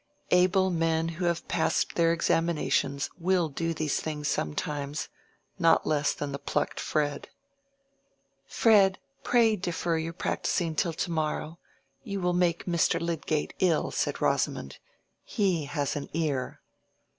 Able men who have passed their examinations will do these things sometimes, not less than the plucked Fred. "Fred, pray defer your practising till to morrow; you will make Mr. Lydgate ill," said Rosamond. "He has an ear."